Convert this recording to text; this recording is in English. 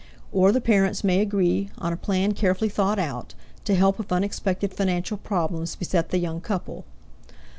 Or the parents may agree, on a plan carefully thought out, to help if unexpected financial problems beset the young couple.